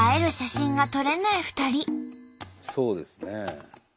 そうですね。